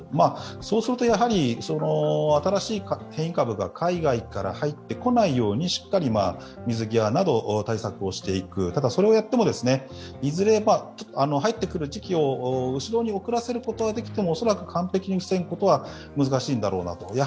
そうするとやはり、新しい変異株が海外から入ってこないようにしっかり水際など、対策をしていくただそれをやっても、いずれ、入ってくる時期を後ろに遅らせることはできてもおそらく完璧に防ぐことは難しいんだろうなと。